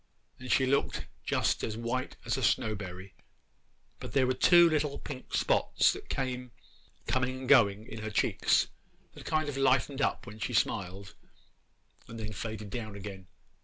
And she looked just as white as a snowberry; but there were two little pink spots that came coming and going in her cheeks, that kind o' lightened up when she smiled, and then faded down again.